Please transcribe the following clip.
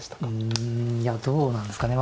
うんどうなんですかね。